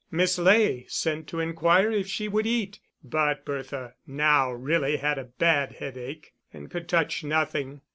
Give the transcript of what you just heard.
Miss Ley sent to inquire if she would eat, but Bertha now really had a bad headache, and could touch nothing.